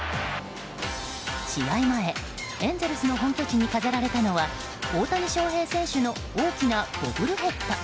試合前、エンゼルスの本拠地に飾られたのは大谷翔平選手の大きなボブルヘッド。